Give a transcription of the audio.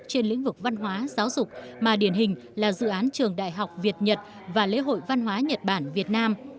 trên lĩnh vực văn hóa giáo dục mà điển hình là dự án trường đại học việt nhật và lễ hội văn hóa nhật bản việt nam